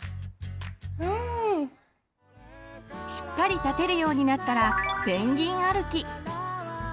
しっかり立てるようになったらペンギン歩き。